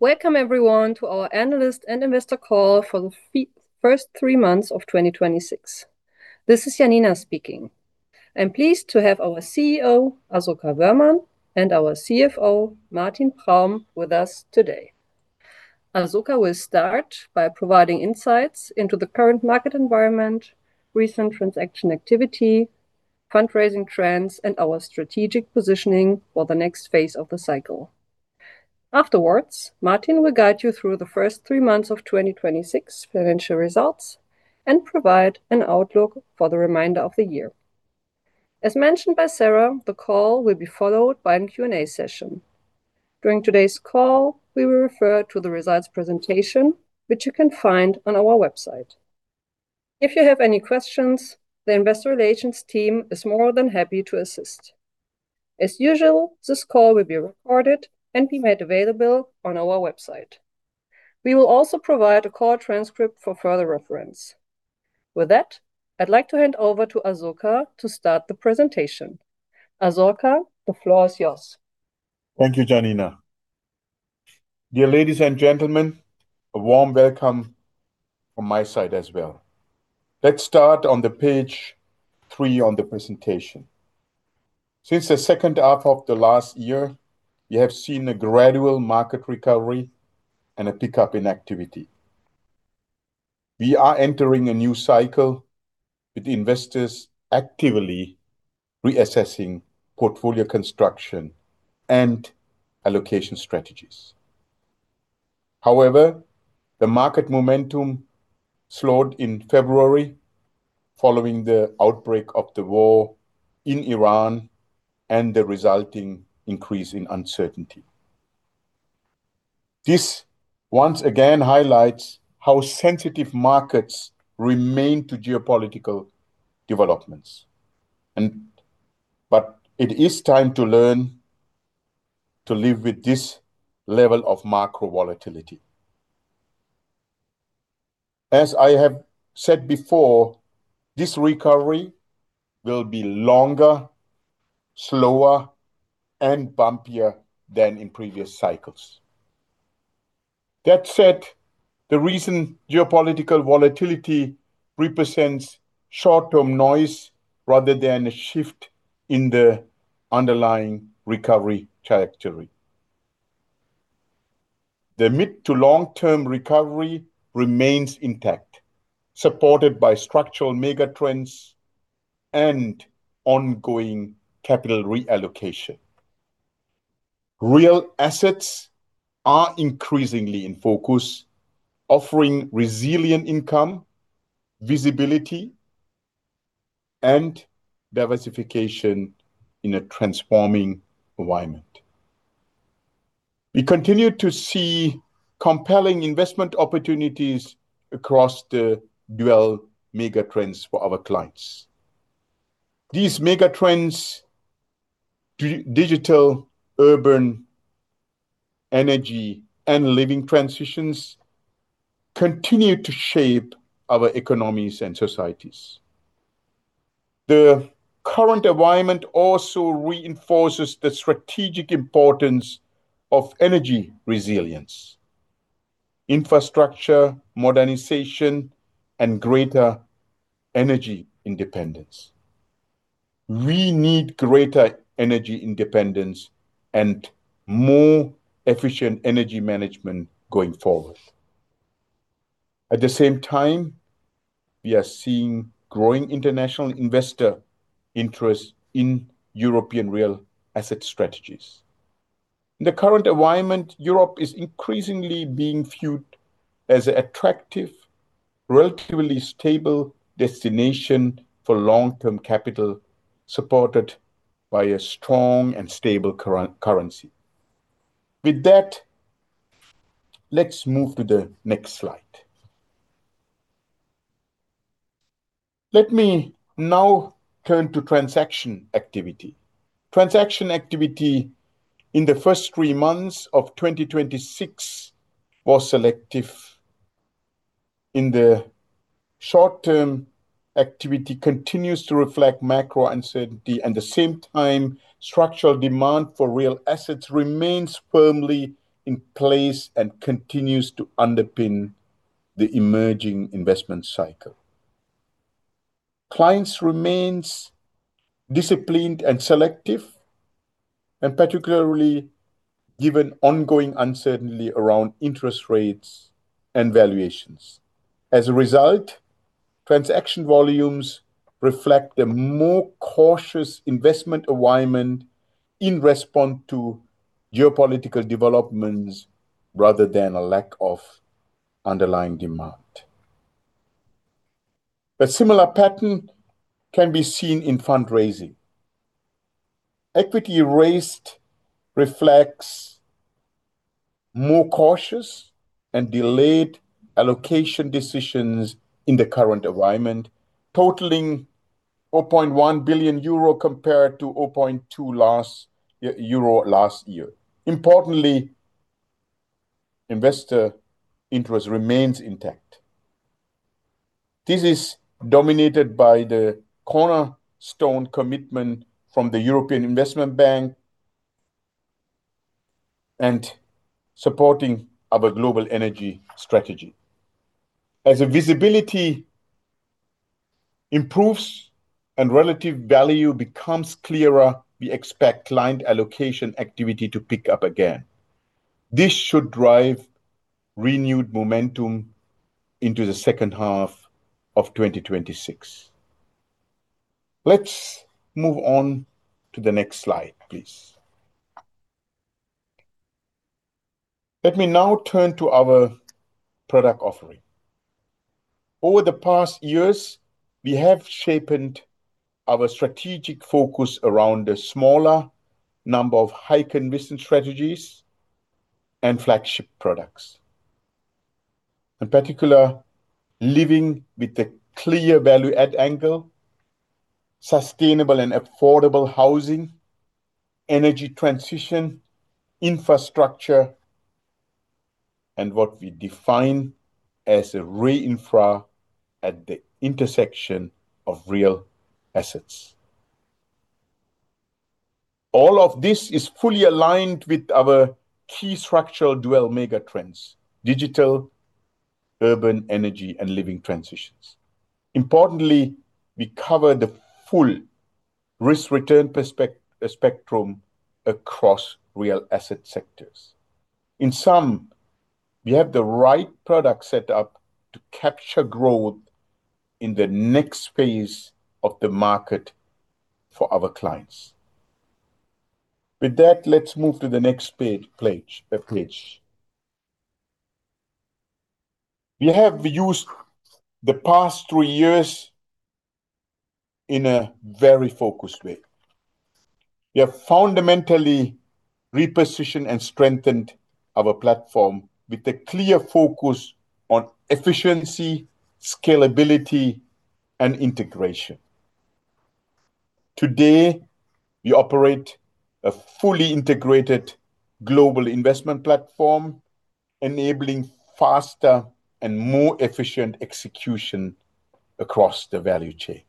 Welcome everyone to our analyst and investor call for the first three months of 2026. This is Janina speaking. I'm pleased to have our CEO, Asoka Wöhrmann, and our CFO, Martin Praum, with us today. Asoka will start by providing insights into the current market environment, recent transaction activity, fundraising trends, and our strategic positioning for the next phase of the cycle. Afterwards, Martin will guide you through the first three months of 2026 financial results and provide an outlook for the remainder of the year. As mentioned by Sarah, the call will be followed by a Q&A session. During today's call, we will refer to the results presentation, which you can find on our website. If you have any questions, the investor relations team is more than happy to assist. As usual, this call will be recorded and be made available on our website. We will also provide a call transcript for further reference. With that, I'd like to hand over to Asoka to start the presentation. Asoka, the floor is yours. Thank you, Janina. Dear ladies and gentlemen, a warm welcome from my side as well. Let's start on the page three on the presentation. Since the second half of the last year, we have seen a gradual market recovery and a pickup in activity. We are entering a new cycle with investors actively reassessing portfolio construction and allocation strategies. The market momentum slowed in February following the outbreak of the war in Iran and the resulting increase in uncertainty. This once again highlights how sensitive markets remain to geopolitical developments but it is time to learn to live with this level of macro volatility. As I have said before, this recovery will be longer, slower, and bumpier than in previous cycles. That said, the recent geopolitical volatility represents short-term noise rather than a shift in the underlying recovery trajectory. The mid to long-term recovery remains intact, supported by structural mega trends and ongoing capital reallocation. Real assets are increasingly in focus, offering resilient income, visibility, and diversification in a transforming environment. We continue to see compelling investment opportunities across the dual mega trends for our clients. These mega trends, digital, urban, energy, and living transitions, continue to shape our economies and societies. The current environment also reinforces the strategic importance of energy resilience, infrastructure modernization, and greater energy independence. We need greater energy independence and more efficient energy management going forward. At the same time, we are seeing growing international investor interest in European real asset strategies. In the current environment, Europe is increasingly being viewed as an attractive, relatively stable destination for long-term capital, supported by a strong and stable currency. With that, let's move to the next slide. Let me now turn to transaction activity. Transaction activity in the first three months of 2026 was selective. In the short term, activity continues to reflect macro uncertainty. At the same time, structural demand for real assets remains firmly in place and continues to underpin the emerging investment cycle. Clients remains disciplined and selective, and particularly given ongoing uncertainty around interest rates and valuations. As a result, transaction volumes reflect a more cautious investment environment in response to geopolitical developments rather than a lack of underlying demand. A similar pattern can be seen in fundraising. Equity raised reflects more cautious and delayed allocation decisions in the current environment, totaling 4.1 billion euro compared to 0.2 euro last year. Importantly, investor interest remains intact. This is dominated by the cornerstone commitment from the European Investment Bank and supporting our global energy strategy. As the visibility improves and relative value becomes clearer, we expect client allocation activity to pick up again. This should drive renewed momentum into the second half of 2026. Let's move on to the next slide, please. Let me now turn to our product offering. Over the past years, we have sharpened our strategic focus around a smaller number of high-conviction strategies and flagship products. In particular, living with a clear value add angle, sustainable and affordable housing, energy transition, infrastructure, and what we define as RE-Infra at the intersection of real assets. All of this is fully aligned with our key structural dual mega trends, digital, urban energy and living transitions. Importantly, we cover the full risk-return spectrum across real asset sectors. In sum, we have the right product set up to capture growth in the next phase of the market for our clients. With that, let's move to the next page, please. We have used the past three years in a very focused way. We have fundamentally repositioned and strengthened our platform with a clear focus on efficiency, scalability, and integration. Today, we operate a fully integrated global investment platform, enabling faster and more efficient execution across the value chain.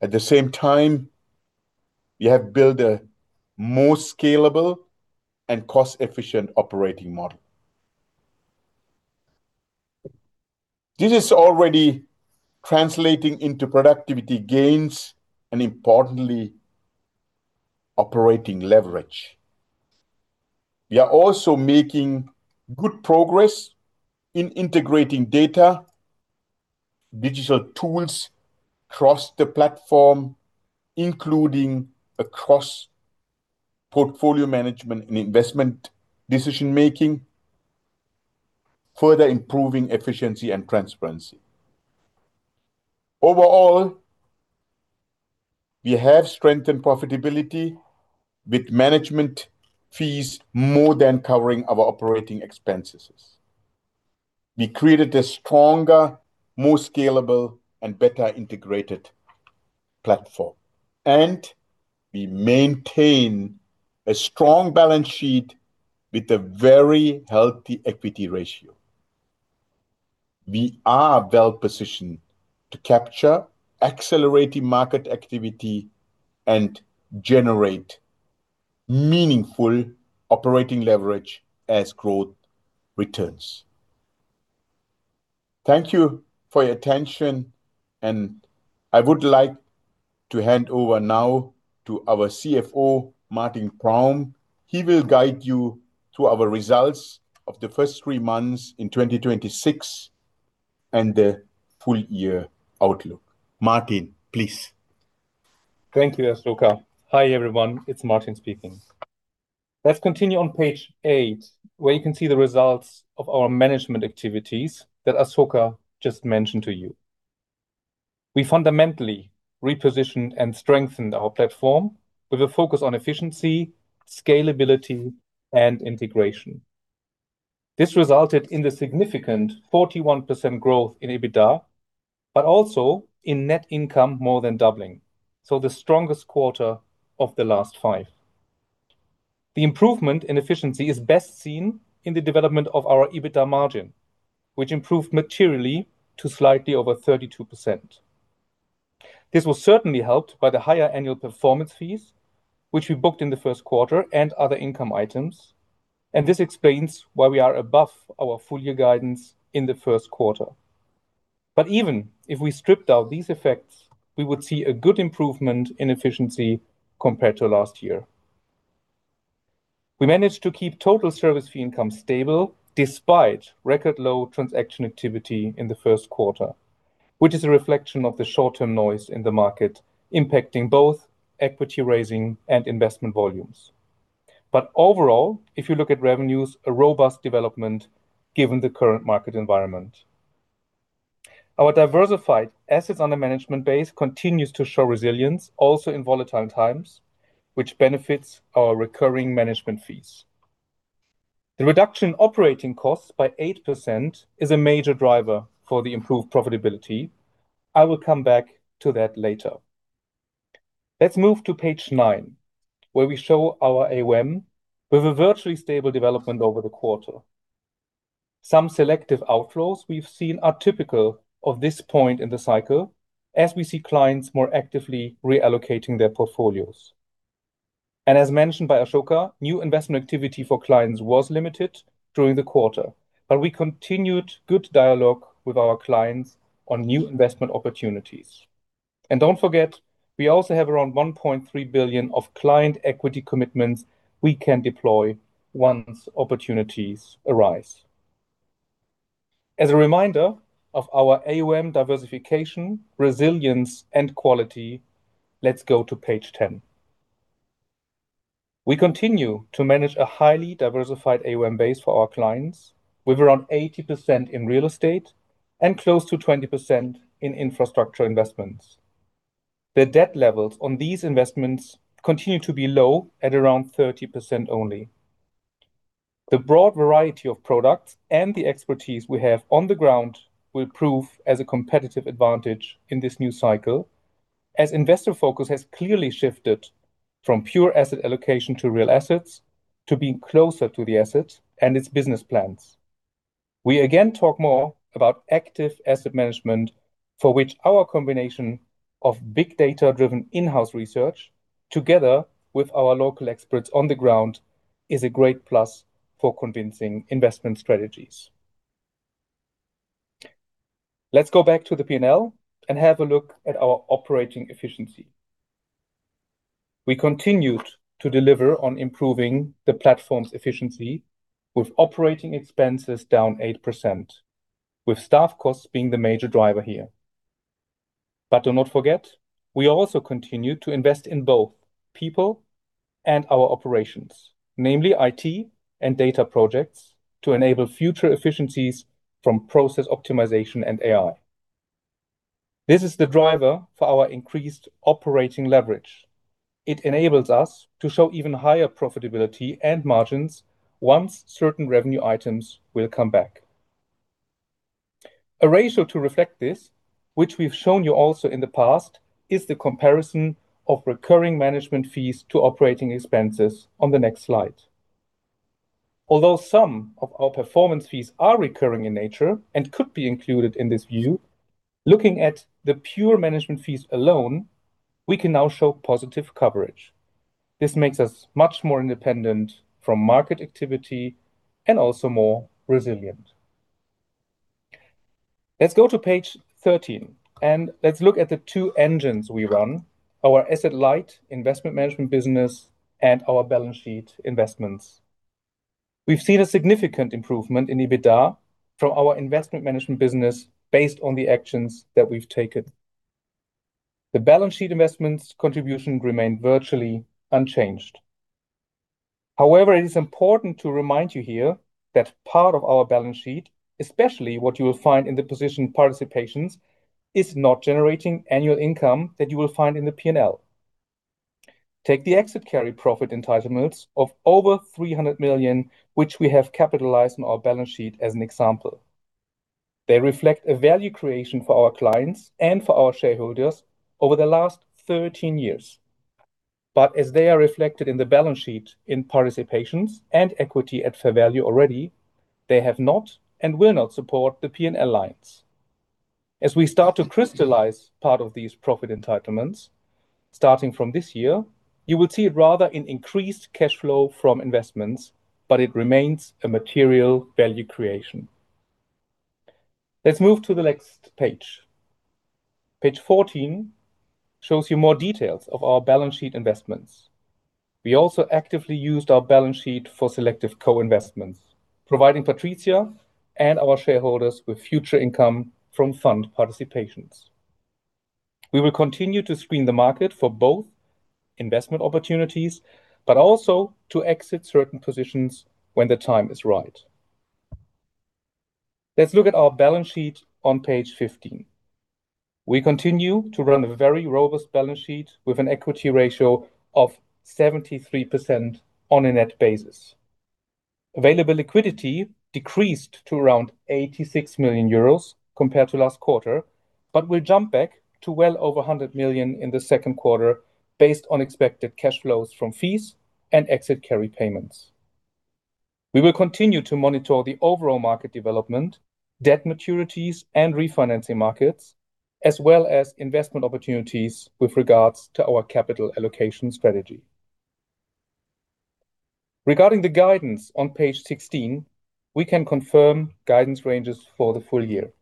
At the same time, we have built a more scalable and cost-efficient operating model. This is already translating into productivity gains and importantly, operating leverage. We are also making good progress in integrating data, digital tools across the platform, including across portfolio management and investment decision-making, further improving efficiency and transparency. Overall, we have strengthened profitability with management fees more than covering our operating expenses. We created a stronger, more scalable and better integrated platform. We maintain a strong balance sheet with a very healthy equity ratio. We are well-positioned to capture accelerating market activity and generate meaningful operating leverage as growth returns. Thank you for your attention, and I would like to hand over now to our CFO, Martin Praum. He will guide you through our results of the first three months in 2026 and the full year outlook. Martin, please. Thank you, Asoka. Hi, everyone. It's Martin speaking. Let's continue on page eight, where you can see the results of our management activities that Asoka just mentioned to you. We fundamentally repositioned and strengthened our platform with a focus on efficiency, scalability and integration. This resulted in the significant 41% growth in EBITDA, but also in net income more than doubling, so the strongest quarter of the last five. The improvement in efficiency is best seen in the development of our EBITDA margin, which improved materially to slightly over 32%. This was certainly helped by the higher annual performance fees, which we booked in the first quarter and other income items, and this explains why we are above our full-year guidance in the first quarter. Even if we stripped out these effects, we would see a good improvement in efficiency compared to last year. We managed to keep total service fee income stable despite record low transaction activity in the first quarter, which is a reflection of the short-term noise in the market impacting both equity raising and investment volumes. Overall, if you look at revenues, a robust development given the current market environment. Our diversified assets under management base continues to show resilience also in volatile times, which benefits our recurring management fees. The reduction operating costs by 8% is a major driver for the improved profitability. I will come back to that later. Let's move to page nine, where we show our AUM with a virtually stable development over the quarter. Some selective outflows we've seen are typical of this point in the cycle, as we see clients more actively reallocating their portfolios. As mentioned by Asoka, new investment activity for clients was limited during the quarter, but we continued good dialog with our clients on new investment opportunities. Don't forget, we also have around 1.3 billion of client equity commitments we can deploy once opportunities arise. As a reminder of our AUM diversification, resilience, and quality, let's go to page 10. We continue to manage a highly diversified AUM base for our clients with around 80% in real estate and close to 20% in infrastructure investments. The debt levels on these investments continue to be low at around 30% only. The broad variety of products and the expertise we have on the ground will prove as a competitive advantage in this new cycle, as investor focus has clearly shifted from pure asset allocation to real assets to being closer to the asset and its business plans. We again talk more about active asset management, for which our combination of big data-driven in-house research together with our local experts on the ground is a great plus for convincing investment strategies. Let's go back to the P&L and have a look at our operating efficiency. We continued to deliver on improving the platform's efficiency with operating expenses down 8%, with staff costs being the major driver here. Do not forget, we also continued to invest in both people and our operations, namely IT and data projects, to enable future efficiencies from process optimization and AI. This is the driver for our increased operating leverage. It enables us to show even higher profitability and margins once certain revenue items will come back. A ratio to reflect this, which we've shown you also in the past, is the comparison of recurring management fees to operating expenses on the next slide. Although some of our performance fees are recurring in nature and could be included in this view, looking at the pure management fees alone, we can now show positive coverage. This makes us much more independent from market activity and also more resilient. Let's go to page 13, and let's look at the two engines we run, our asset-light investment management business and our balance sheet investments. We've seen a significant improvement in EBITDA from our investment management business based on the actions that we've taken. The balance sheet investments contribution remained virtually unchanged. It is important to remind you here that part of our balance sheet, especially what you will find in the position participations, is not generating annual income that you will find in the P&L. Take the exit carry profit entitlements of over 300 million, which we have capitalized on our balance sheet as an example. They reflect a value creation for our clients and for our shareholders over the last 13 years. As they are reflected in the balance sheet in participations and equity at fair value already, they have not and will not support the P&L lines. As we start to crystallize part of these profit entitlements, starting from this year, you will see it rather in increased cash flow from investments, but it remains a material value creation. Let's move to the next page. Page 14 shows you more details of our balance sheet investments. We also actively used our balance sheet for selective co-investments, providing PATRIZIA and our shareholders with future income from fund participations. We will continue to screen the market for both investment opportunities, but also to exit certain positions when the time is right. Let's look at our balance sheet on page 15. We continue to run a very robust balance sheet with an equity ratio of 73% on a net basis. Available liquidity decreased to around 86 million euros compared to last quarter, but will jump back to well over 100 million in the second quarter based on expected cash flows from fees and exit carry payments. We will continue to monitor the overall market development, debt maturities, and refinancing markets, as well as investment opportunities with regards to our capital allocation strategy. Regarding the guidance on page 16, we can confirm guidance ranges for the full year.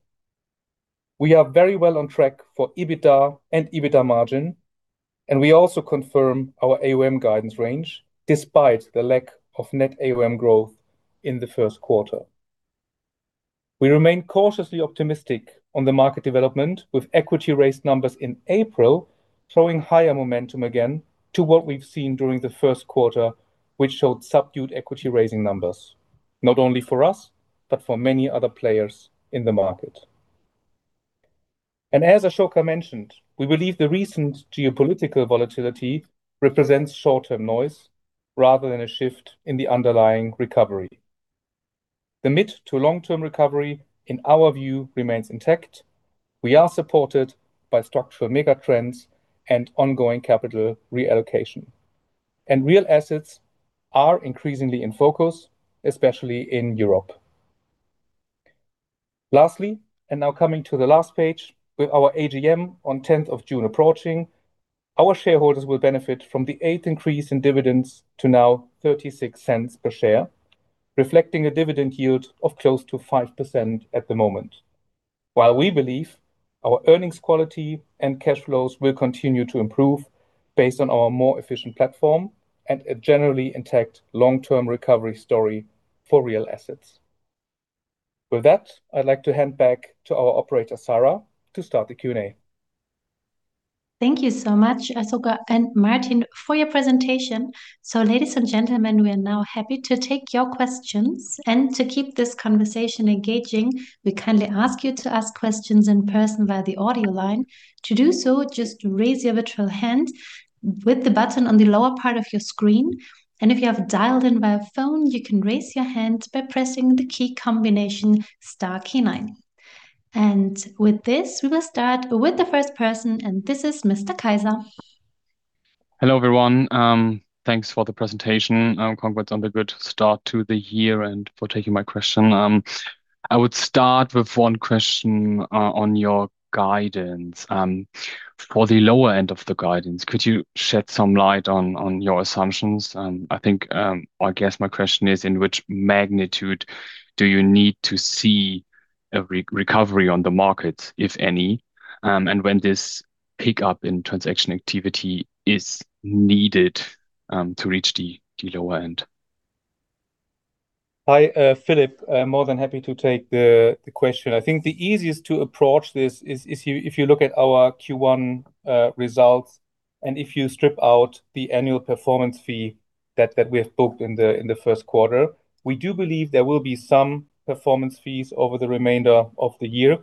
We are very well on track for EBITDA and EBITDA margin, we also confirm our AUM guidance range despite the lack of net AUM growth in the first quarter. We remain cautiously optimistic on the market development, with equity raised numbers in April showing higher momentum again to what we've seen during the first quarter, which showed subdued equity raising numbers, not only for us, but for many other players in the market. As Asoka mentioned, we believe the recent geopolitical volatility represents short-term noise rather than a shift in the underlying recovery. The mid to long term recovery in our view remains intact. We are supported by structural mega trends and ongoing capital reallocation. Real assets are increasingly in focus, especially in Europe. Lastly, and now coming to the last page, with our AGM on June 10th approaching, our shareholders will benefit from the eighth increase in dividends to now 0.36 per share, reflecting a dividend yield of close to 5% at the moment, while we believe our earnings quality and cash flows will continue to improve based on our more efficient platform and a generally intact long-term recovery story for real assets. With that, I'd like to hand back to our operator, Sarah, to start the Q&A. Thank you so much, Asoka and Martin, for your presentation. Ladies and gentlemen, we are now happy to take your questions. To keep this conversation engaging, we kindly ask you to ask questions in person via the audio line. To do so, just raise your virtual hand with the button on the lower part of your screen. If you have dialed in via phone, you can raise your hand by pressing the key combination star key nine. With this, we will start with the first person, and this is Mr. Kaiser. Hello, everyone. Thanks for the presentation. Congrats on the good start to the year and for taking my question. I would start with one question on your guidance. For the lower end of the guidance, could you shed some light on your assumptions? I think, or I guess my question is in which magnitude do you need to see a recovery on the market, if any? And when this pickup in transaction activity is needed to reach the lower end? Hi, Philipp. More than happy to take the question. I think the easiest to approach this is if you look at our Q1 results, and if you strip out the annual performance fee that we have booked in the first quarter, we do believe there will be some performance fees over the remainder of the year.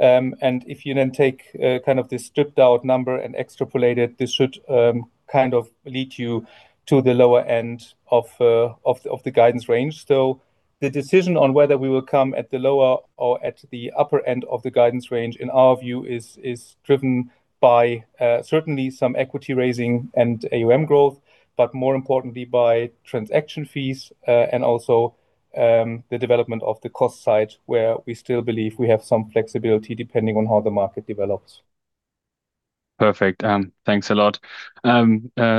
If you then take kind of the stripped out number and extrapolate it, this should kind of lead you to the lower end of the guidance range. The decision on whether we will come at the lower or at the upper end of the guidance range, in our view, is driven by certainly some equity raising and AUM growth, but more importantly by transaction fees, and also, the development of the cost side, where we still believe we have some flexibility depending on how the market develops. Perfect. Thanks a lot.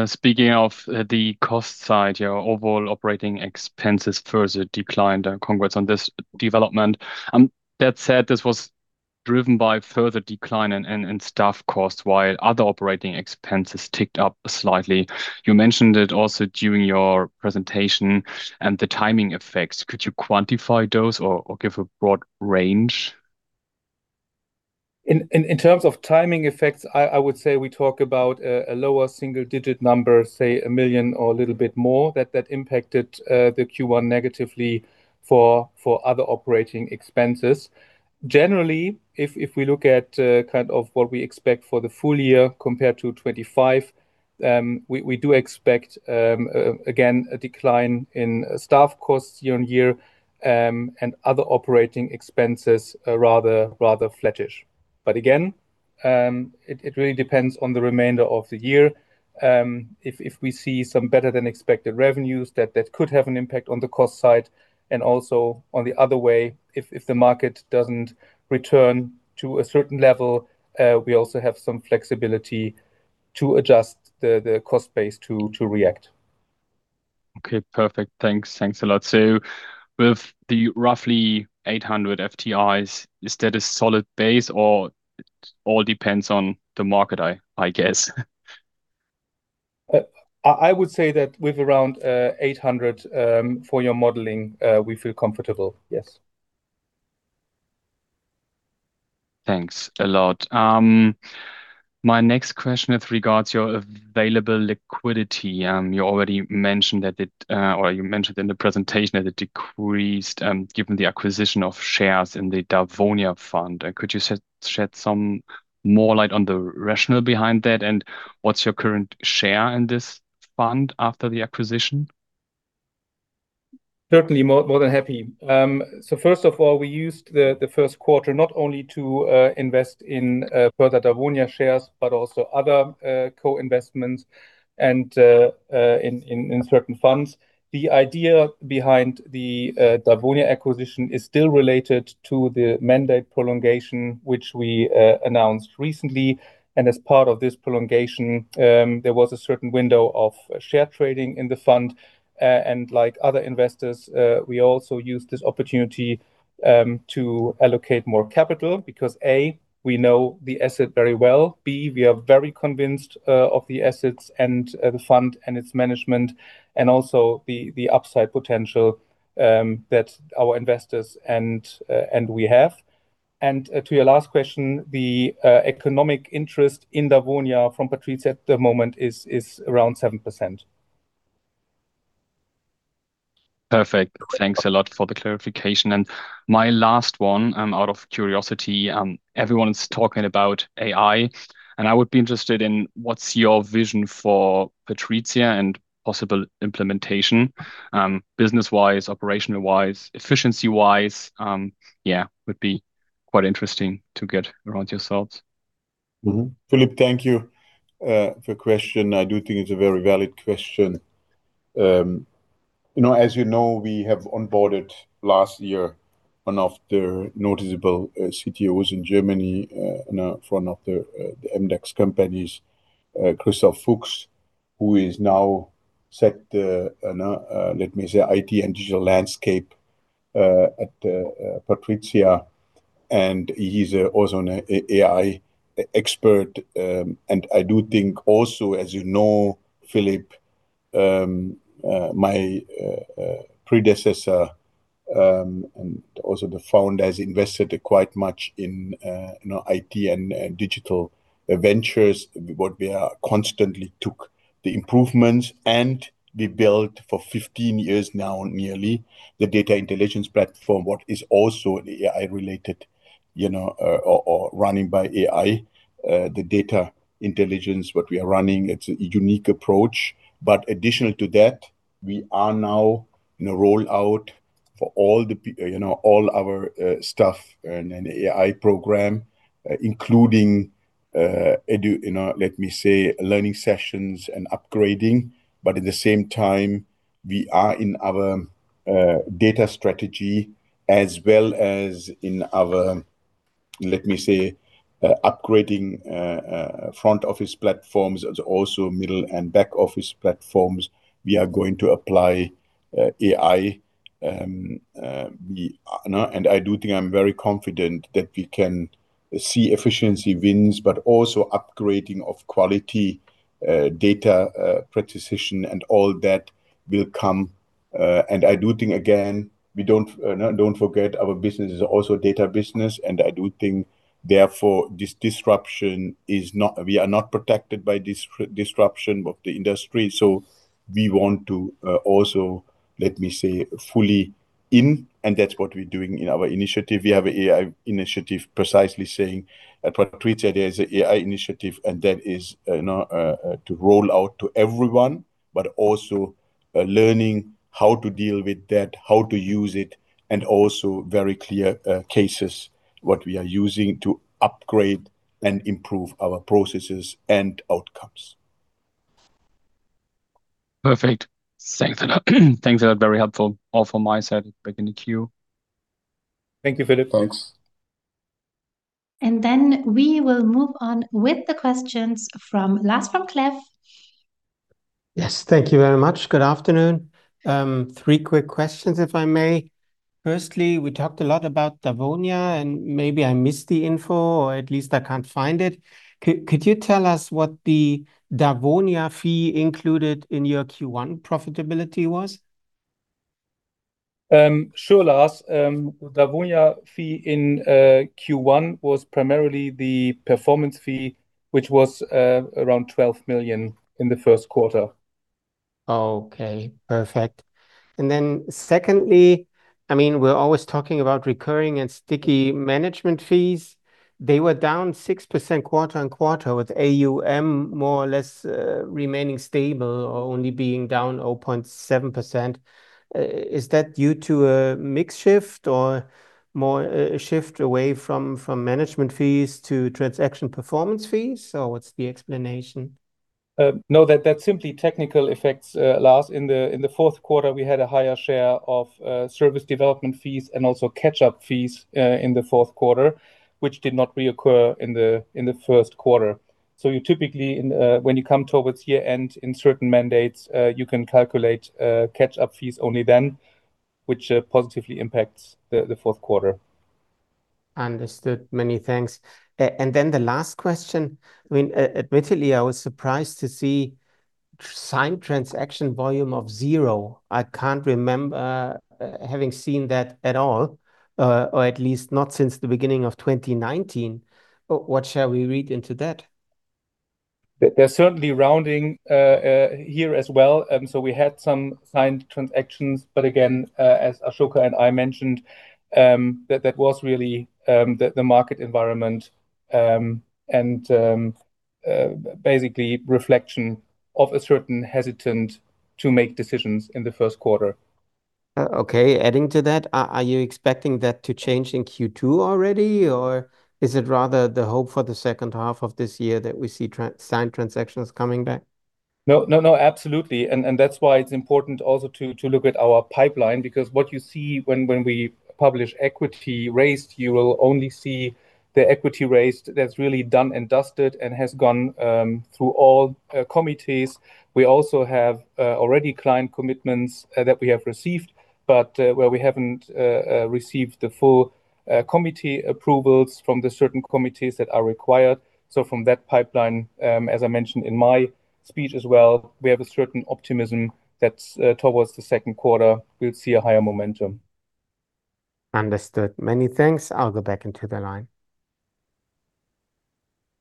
Speaking of the cost side, your overall operating expenses further declined. Congrats on this development. That said, this was driven by further decline in staff costs, while other operating expenses ticked up slightly. You mentioned it also during your presentation and the timing effects. Could you quantify those or give a broad range? In terms of timing effects, I would say we talk about a lower single-digit number, say 1 million or a little bit more, that impacted the Q1 negatively for other operating expenses. Generally, if we look at kind of what we expect for the full year compared to 2025, we do expect again, a decline in staff costs year-on-year, and other operating expenses are rather flattish. Again, it really depends on the remainder of the year. If we see some better than expected revenues, that could have an impact on the cost side. Also on the other way, if the market doesn't return to a certain level, we also have some flexibility to adjust the cost base to react. Okay. Perfect. Thanks. Thanks a lot. With the roughly 800 FTEs, is that a solid base, or it all depends on the market, I guess? I would say that with around 800 for your modeling, we feel comfortable, yes. Thanks a lot. My next question with regards your available liquidity. You mentioned in the presentation that it decreased given the acquisition of shares in the Dawonia Fund. Could you shed some more light on the rationale behind that? What's your current share in this fund after the acquisition? Certainly. More than happy. First of all, we used the first quarter not only to invest in further Dawonia shares, but also other co-investments and in certain funds. The idea behind the Dawonia acquisition is still related to the mandate prolongation, which we announced recently. As part of this prolongation, there was a certain window of share trading in the fund. Like other investors, we also used this opportunity to allocate more capital because, A, we know the asset very well, B, we are very convinced of the assets and the fund and its management, and also the upside potential that our investors and we have. To your last question, the economic interest in Dawonia from PATRIZIA at the moment is around 7%. Perfect. Thanks a lot for the clarification. My last one, out of curiosity, everyone's talking about AI, and I would be interested in what's your vision for PATRIZIA and possible implementation, business-wise, operational-wise, efficiency-wise? Yeah, would be quite interesting to get around your thoughts. Philipp, thank you for question. I do think it's a very valid question. You know, as you know, we have onboarded last year one of the noticeable CTOs in Germany, and for one of the MDAX companies, Christoph Fuchs, who is now set the, let me say, IT and digital landscape at PATRIZIA, and he's also an AI expert. I do think also, as you know, Philipp, my predecessor and also the founder has invested quite much in, you know, IT and digital ventures. What we are constantly took the improvements and we built for 15 years now, nearly, the data intelligence platform, what is also AI related, you know, or running by AI, the data intelligence what we are running. It's a unique approach. Additional to that, we are now in a rollout for all the you know, all our stuff and an AI program, including you know, let me say, learning sessions and upgrading, but at the same time we are in our data strategy as well as in our, let me say, upgrading front office platforms. There's also middle and back office platforms we are going to apply AI. We and I do think I'm very confident that we can see efficiency wins, but also upgrading of quality, data, precision and all that will come. I do think, again, we don't forget our business is also data business. I do think therefore this disruption is not. We are not protected by this disruption of the industry. We want to, also, let me say, fully in. That's what we're doing in our initiative. We have AI initiative precisely saying at PATRIZIA there's AI initiative. That is, to roll out to everyone, but also, learning how to deal with that, how to use it, and also very clear cases what we are using to upgrade and improve our processes and outcomes. Perfect. Thanks a lot. Thanks a lot. Very helpful. All from my side, back in the queue. Thank you, Philipp. Thanks. We will move on with the questions from Lars von Klääff. Yes. Thank you very much. Good afternoon. three quick questions, if I may. We talked a lot about Dawonia, and maybe I missed the info, or at least I can't find it. Could you tell us what the Dawonia fee included in your Q1 profitability was? Sure, Lars. Dawonia fee in Q1 was primarily the performance fee, which was around 12 million in the first quarter. Okay. Perfect. Secondly, I mean, we're always talking about recurring and sticky management fees. They were down 6% quarter-on-quarter with AUM more or less remaining stable or only being down 0.7%. Is that due to a mix shift or more shift away from management fees to transaction performance fees? Or what's the explanation? No, that's simply technical effects, Lars. In the fourth quarter, we had a higher share of service development fees and also catch-up fees in the fourth quarter, which did not reoccur in the first quarter. You typically in when you come towards year-end in certain mandates, you can calculate catch-up fees only then, which positively impacts the fourth quarter. Understood. Many thanks. Then the last question. I mean, admittedly, I was surprised to see signed transaction volume of zero. I can't remember having seen that at all, or at least not since the beginning of 2019. What shall we read into that? There's certainly rounding here as well. We had some signed transactions, but again, as Asoka and I mentioned, that was really the market environment and basically reflection of a certain hesitant to make decisions in the first quarter. Okay. Adding to that, are you expecting that to change in Q2 already, or is it rather the hope for the second half of this year that we see signed transactions coming back? No, no, absolutely. That's why it's important also to look at our pipeline, because what you see when we publish equity raised, you will only see the equity raised that's really done and dusted and has gone through all committees. We also have already client commitments that we have received, but where we haven't received the full committee approvals from the certain committees that are required. From that pipeline, as I mentioned in my speech as well, we have a certain optimism that towards the second quarter we'll see a higher momentum. Understood. Many thanks. I'll go back into the line.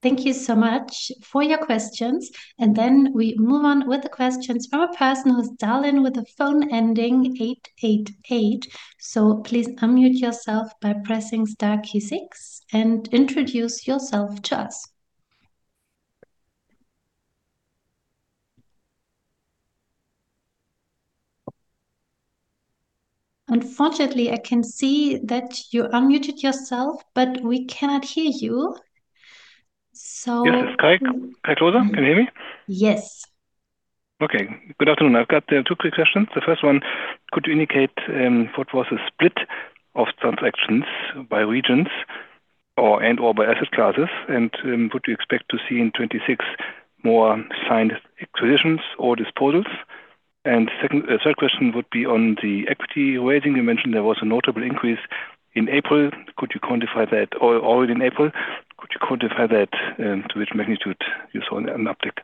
Thank you so much for your questions. We move on with the questions from a person who's dialed in with a phone ending eight eight eight. Please unmute yourself by pressing star key six and introduce yourself to us. Unfortunately, I can see that you unmuted yourself, but we cannot hear you. Yes, it's Kai. Kai Klose. Can you hear me? Yes. Okay. Good afternoon. I've got two quick questions. The first one, could you indicate what was the split of transactions by regions or by asset classes? Would you expect to see in 2026 more signed acquisitions or disposals? Second, third question would be on the equity raising. You mentioned there was a notable increase in April. Could you quantify that to which magnitude you saw an uptick?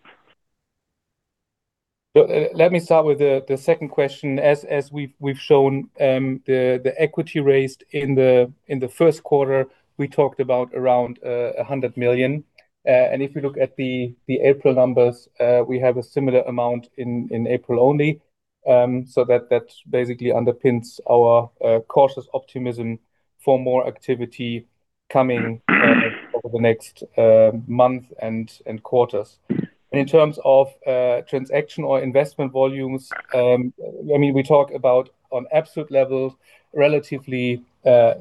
Let me start with the second question. As we've shown, the equity raised in the first quarter, we talked about around 100 million. If you look at the April numbers, we have a similar amount in April only. That basically underpins our cautious optimism for more activity coming over the next month and quarters. In terms of transaction or investment volumes, I mean, we talk about on absolute levels, relatively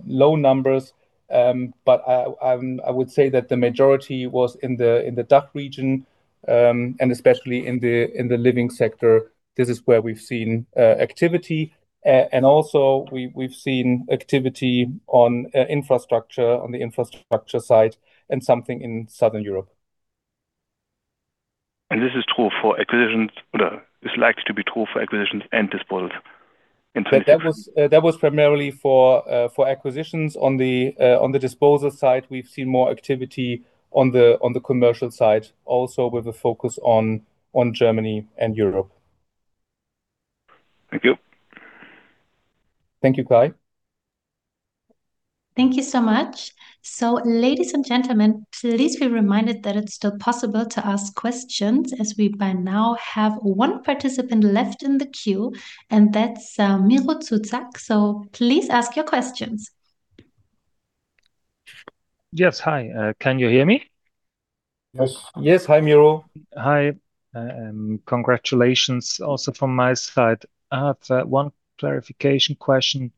low numbers. I would say that the majority was in the DACH region, and especially in the living sector. This is where we've seen activity. Also we've seen activity on the infrastructure side, and something in Southern Europe. Well, is likely to be true for acquisitions and disposals in 2026? That was primarily for acquisitions. On the disposal side, we've seen more activity on the commercial side also with a focus on Germany and Europe. Thank you. Thank you, Kai. Thank you so much. Ladies and gentlemen, please be reminded that it's still possible to ask questions as we by now have one participant left in the queue, and that's Miro Zuzak. Please ask your questions. Yes. Hi, can you hear me? Yes. Yes. Hi, Miro. Hi, congratulations also from my side. I have one clarification question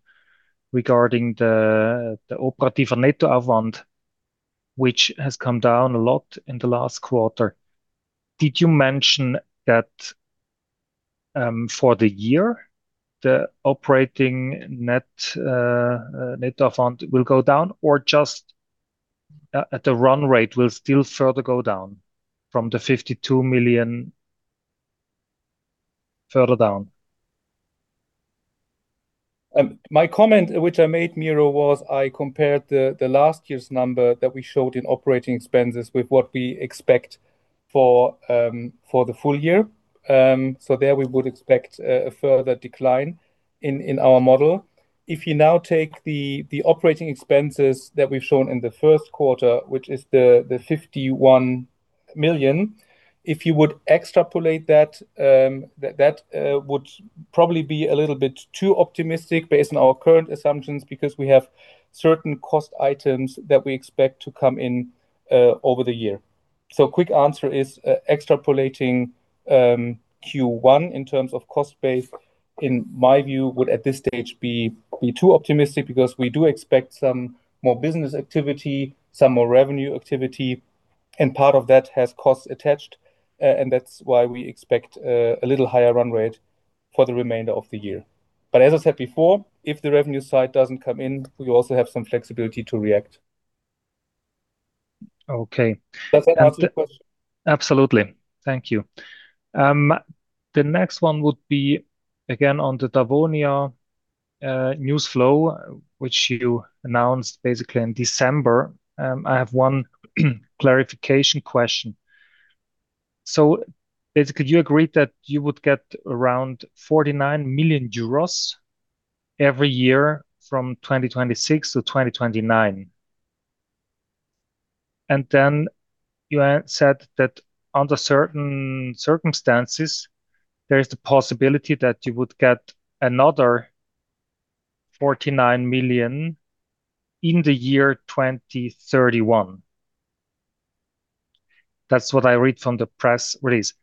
regarding the operative Nettoaufwand, which has come down a lot in the last quarter. Did you mention that for the year, the operating net Nettoaufwand will go down? Just at the run rate will still further go down from the 52 million further down? My comment which I made, Miro, was I compared the last year's number that we showed in operating expenses with what we expect for the full year. There we would expect a further decline in our model. If you now take the operating expenses that we've shown in the first quarter, which is the 51 million, if you would extrapolate that would probably be a little bit too optimistic based on our current assumptions because we have certain cost items that we expect to come in over the year. Quick answer is, extrapolating Q1 in terms of cost base, in my view, would at this stage be too optimistic because we do expect some more business activity, some more revenue activity, and part of that has costs attached. That's why we expect a little higher run rate for the remainder of the year. As I said before, if the revenue side doesn't come in, we also have some flexibility to react. Okay. Does that answer the question? Absolutely. Thank you. The next one would be again on the Dawonia news flow, which you announced basically in December. I have one clarification question. Basically, you agreed that you would get around 49 million euros every year from 2026 to 2029. Then you said that under certain circumstances, there is the possibility that you would get another 49 million in the year 2031. That's what I read from the press release.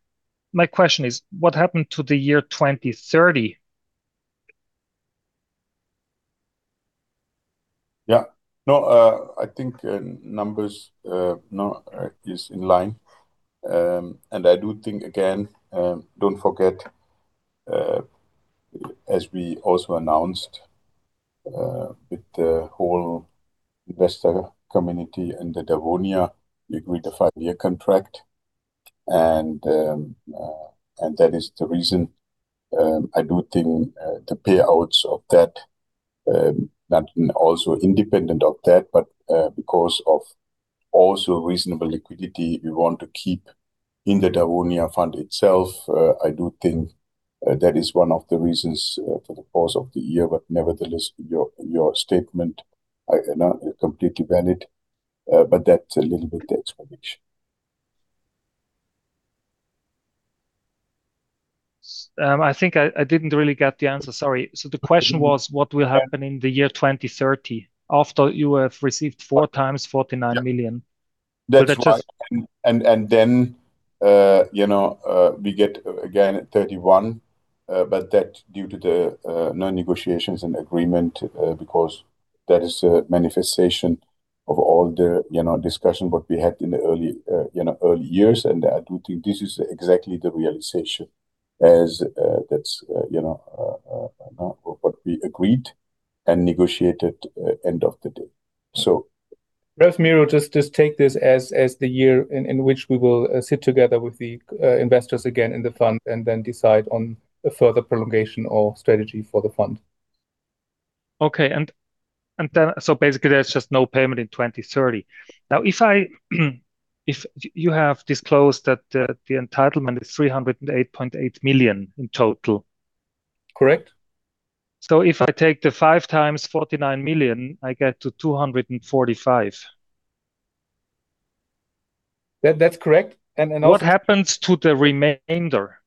My question is, what happened to the year 2030? Yeah. No, I think numbers, no, is in line. I do think, again, don't forget, as we also announced with the whole investor community and the Dawonia, we agreed a five-year contract. That is the reason, I do think, the payouts of that, not only also independent of that, but because of also reasonable liquidity we want to keep in the Dawonia fund itself. I do think that is one of the reasons for the pause of the year. Nevertheless, your statement, no, completely valid. That's a little bit the explanation. I think I didn't really get the answer. Sorry. The question was what will happen in the year 2030 after you have received four times 49 million? That's right. Then, you know, we get, again, 31, but that due to the, no negotiations and agreement, because that is a manifestation of all the, you know, discussion what we had in the early, you know, early years. I do think this is exactly the realization as, that's, you know, what we agreed and negotiated, end of the day. Both Miro just take this as the year in which we will sit together with the investors again in the fund and then decide on a further prolongation or strategy for the fund. Okay. Basically there's just no payment in 2030. If you have disclosed that, the entitlement is 308.8 million in total. Correct. If I take the 5x 49 million, I get to 245. That's correct. What happens to the remainder?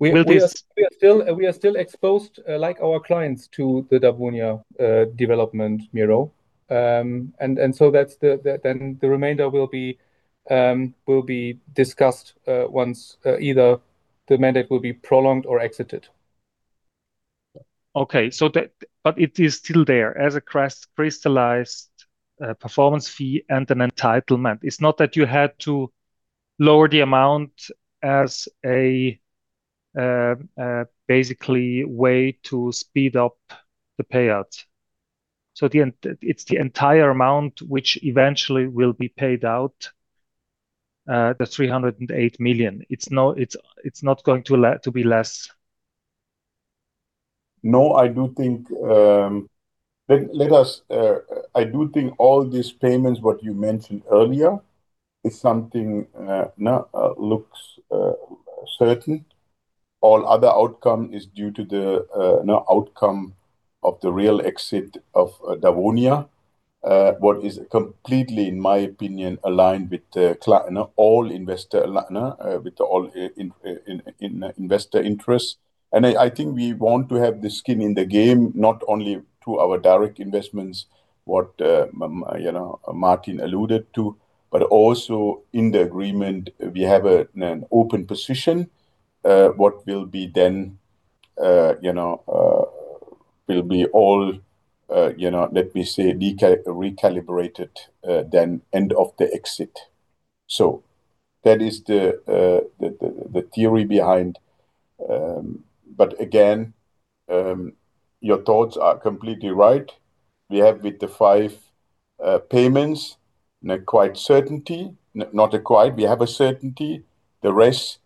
We are still exposed like our clients to the Dawonia development, Miro. That's the then the remainder will be discussed once either the mandate will be prolonged or exited. Okay. It is still there as a crystallized performance fee and an entitlement. It's not that you had to lower the amount as a basically way to speed up the payout. It's the entire amount which eventually will be paid out, the 308 million. It's not going to be less. I do think, let us, I do think all these payments what you mentioned earlier is something, looks certain. All other outcome is due to the outcome of the real exit of Dawonia, what is completely, in my opinion, aligned with the all investor, with the all investor interests. I think we want to have the skin in the game, not only through our direct investments, what, you know, Martin alluded to, also in the agreement, we have an open position, what will be then, you know, will be all, you know, let me say, recalibrated, then end of the exit. That is the theory behind. Again, your thoughts are completely right. We have with the five payments, no quite certainty, we have a certainty. The rest is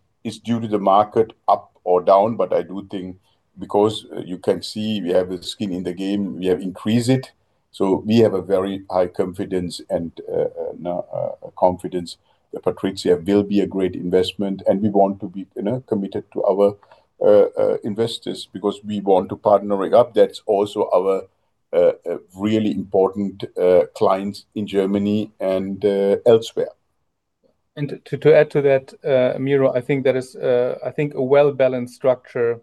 due to the market up or down. I do think because you can see we have a skin in the game, we have increased it. We have a very high confidence and confidence that PATRIZIA will be a great investment and we want to be, you know, committed to our investors because we want to partnering up. That's also our really important clients in Germany and elsewhere. To add to that, Miro, I think that is, I think a well-balanced structure,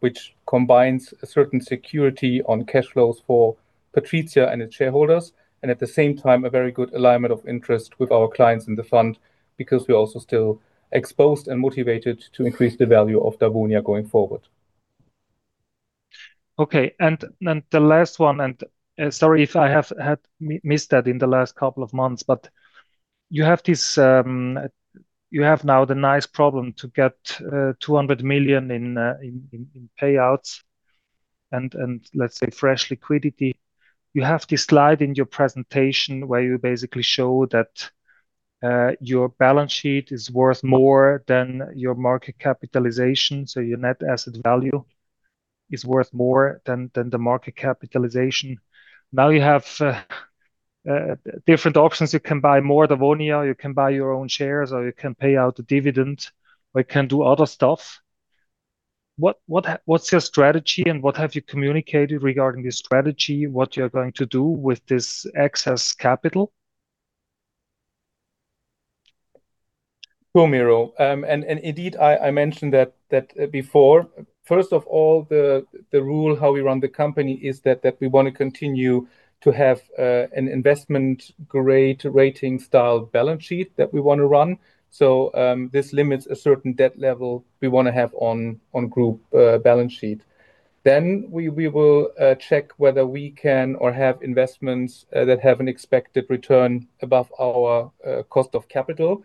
which combines a certain security on cash flows for PATRIZIA and its shareholders, and at the same time, a very good alignment of interest with our clients in the fund because we're also still exposed and motivated to increase the value of Dawonia going forward. Okay. The last one, sorry if I have missed that in the last couple of months, but you have this, you have now the nice problem to get 200 million in payouts and let's say fresh liquidity. You have this slide in your presentation where you basically show that your balance sheet is worth more than your market capitalization, so your net asset value is worth more than the market capitalization. You have different options. You can buy more Dawonia, you can buy your own shares, or you can pay out a dividend, or you can do other stuff. What's your strategy and what have you communicated regarding this strategy? What you're going to do with this excess capital? Sure, Miro. Indeed, I mentioned that before. First of all, the rule how we run the company is that we want to continue to have an investment grade rating style balance sheet that we want to run. This limits a certain debt level we want to have on group balance sheet. We will check whether we can or have investments that have an expected return above our cost of capital.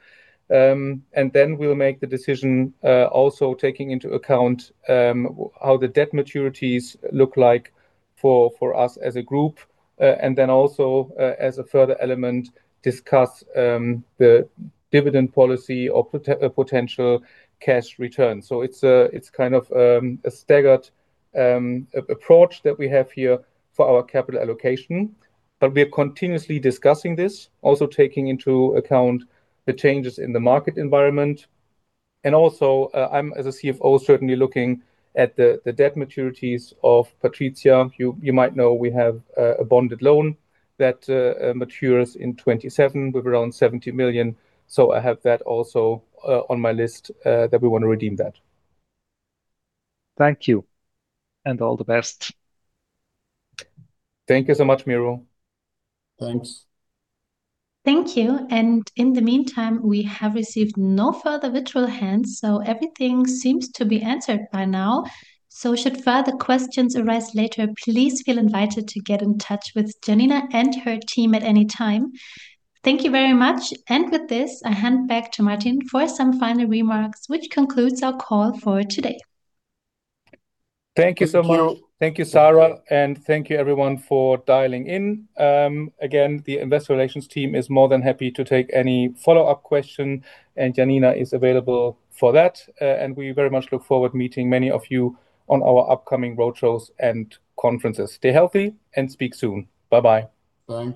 Then we'll make the decision, also taking into account how the debt maturities look like for us as a group. Then also as a further element, discuss the dividend policy or potential cash return. It's kind of a staggered approach that we have here for our capital allocation. We are continuously discussing this, also taking into account the changes in the market environment. Also, I'm, as a CFO, certainly looking at the debt maturities of PATRIZIA. You might know we have a bonded loan that matures in 2027 with around 70 million. I have that also on my list that we want to redeem that. Thank you and all the best. Thank you so much, Miro. Thanks. Thank you. In the meantime, we have received no further virtual hands. Everything seems to be answered by now. Should further questions arise later, please feel invited to get in touch with Janina and her team at any time. Thank you very much. With this, I hand back to Martin for some final remarks, which concludes our call for today. Thank you so much. Thank you. Thank you, Sarah, and thank you everyone for dialing in. Again, the investor relations team is more than happy to take any follow-up question, and Janina is available for that. We very much look forward meeting many of you on our upcoming road shows and conferences. Stay healthy and speak soon. Bye-bye. Thanks.